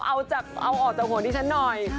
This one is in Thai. เอาออกจากหัวที่ฉันหน่อย